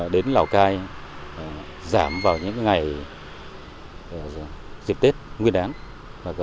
đến lào cai giảm vào những ngày dịp tết nguyên đán